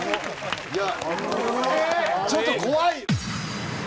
ちょっと怖い。